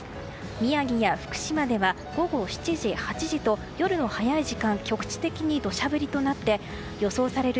宮城や福島では午後７時、８時と夜の早い時間局地的に土砂降りとなって予想される